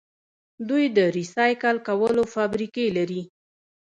دوی د ریسایکل کولو فابریکې لري.